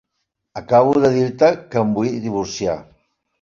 Acabo de dir-te que em vull divorciar.